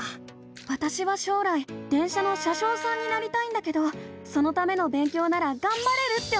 わたしは将来電車の車しょうさんになりたいんだけどそのための勉強ならがんばれるって思ったの！